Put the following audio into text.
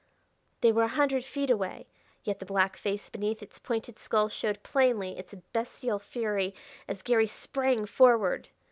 They were a hundred feet away, yet the black face beneath its pointed skull showed plainly its bestial fury as Garry sprang forward.